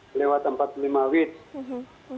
kami juga meminta para penyelamat par rehab telegraf arabs